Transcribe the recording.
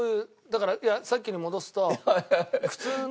だからいやさっきに戻すと靴の。